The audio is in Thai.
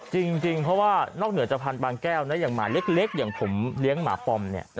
จริงเพราะว่านอกเหนือจากพันธบางแก้วนะอย่างหมาเล็กอย่างผมเลี้ยงหมาปอมเนี่ย